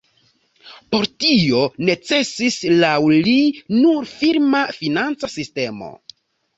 Por tio necesis laŭ li nur firma financa sistemo.